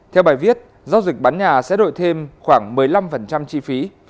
theo bài viết giao dịch bán nhà sẽ đổi thêm khoảng một mươi năm chi phí